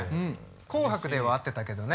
「紅白」では会ってたけどね。